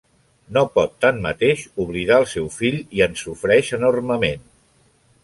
No pot tanmateix oblidar el seu fill i en sofreix enormement.